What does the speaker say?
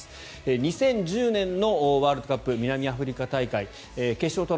２０１０年のワールドカップ南アフリカ大会。